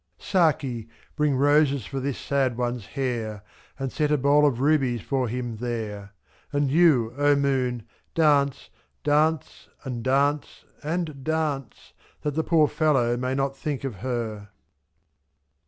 Saki, bring roses for this sad one's hair. And set a bowl of rubies for him there ; 1 01. And you, O moon, dance, dance, and dance and dance. That the poor fellow may not think of her.